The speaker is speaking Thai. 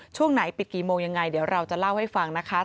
ช่วงไหนปิดกี่โมงยังไงเดี๋ยวเราจะเล่าให้ฟังนะคะ